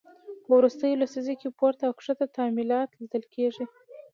په وروستیو لسیزو کې پورته او کښته تمایلات لیدل کېږي